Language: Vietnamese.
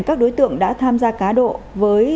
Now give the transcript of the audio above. các đối tượng đã tham gia cá độ với